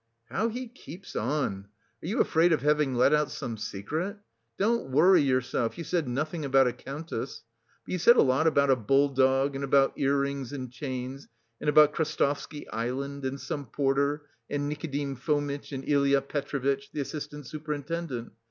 "How he keeps on! Are you afraid of having let out some secret? Don't worry yourself; you said nothing about a countess. But you said a lot about a bulldog, and about ear rings and chains, and about Krestovsky Island, and some porter, and Nikodim Fomitch and Ilya Petrovitch, the assistant superintendent.